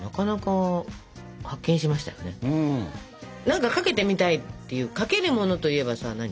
何かかけてみたいっていうかけるものといえばさ何？